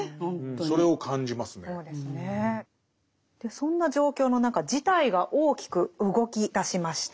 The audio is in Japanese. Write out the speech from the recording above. そんな状況の中事態が大きく動きだしました。